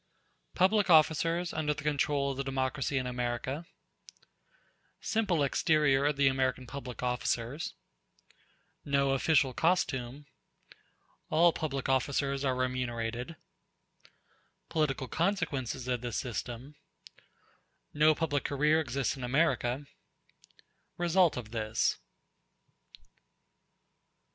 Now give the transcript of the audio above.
Public Officers Under The Control Of The Democracy In America Simple exterior of the American public officers—No official costume—All public officers are remunerated—Political consequences of this system—No public career exists in America—Result of this.